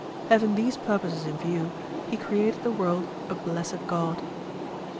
Having these purposes in view he created the world a blessed god.